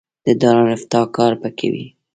د دارالافتا کار به کوي.